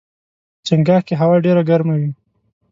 چنګاښ کې هوا ډېره ګرمه وي.